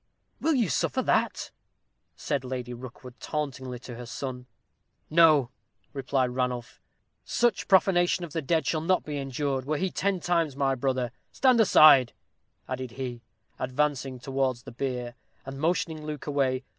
"Will you suffer that?" said Lady Rookwood, tauntingly, to her son. "No," replied Ranulph; "such profanation of the dead shall not be endured, were he ten times my brother. Stand aside," added he, advancing towards the bier, and motioning Luke away.